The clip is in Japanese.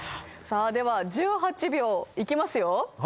では１８秒いきますよ。